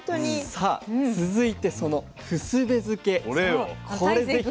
さあ続いてそのふすべ漬これぜひ。